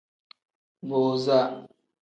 Booza.